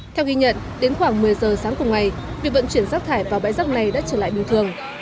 theo ghi nhận đến khoảng một mươi giờ sáng cùng ngày việc vận chuyển rác thải vào bãi rác này đã trở lại bình thường